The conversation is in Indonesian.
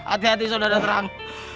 hati hati saudara terang